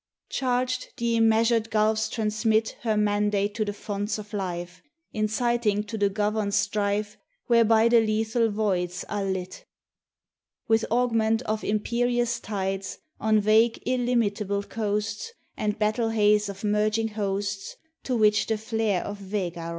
Charged, the immeasured gulfs transmit Her mandate to the fonts of life, Inciting to the governed strife Whereby the lethal voids are lit, With augment of imperious tides On vague, illimitable coasts, And battle haze of merging hosts To which the flare of Vega rides.